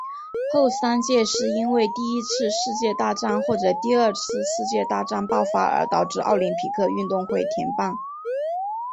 后三届是因为第一次世界大战或者第二次世界大战爆发而导致奥林匹克运动会停办。